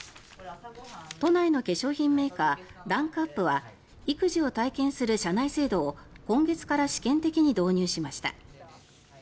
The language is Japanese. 都内の化粧品メーカーランクアップは育児を体験する社内制度を今月から試験的に導入しました。